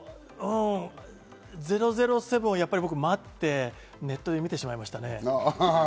『００７』もやっぱり待って、ネットで見てしまいましたね。